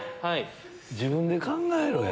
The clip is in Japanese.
自分で考えろや。